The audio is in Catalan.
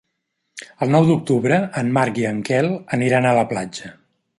El nou d'octubre en Marc i en Quel aniran a la platja.